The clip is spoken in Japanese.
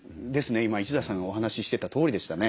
今一田さんがお話ししてたとおりでしたね。